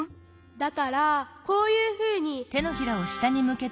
だからこういうふうに。